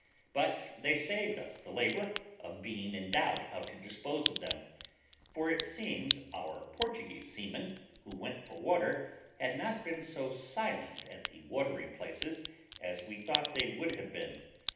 But they saved us the labour of being in doubt how to dispose of them; for it seems our Portuguese seamen, who went for water, had not been so silent at the watering places as we thought they would have been.